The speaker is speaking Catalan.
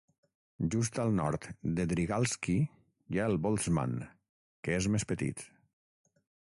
Just al nord de Drygalski hi ha el Boltzmann, que és més petit.